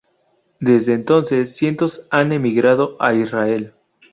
Desde entonces cientos han emigrado a Israel.